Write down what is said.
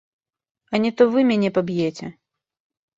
А не то вы мяне паб'еце!